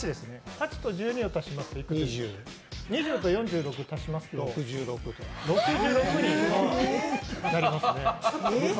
８と１２を足しますと２０２０と４６を足しますと６６になりますね。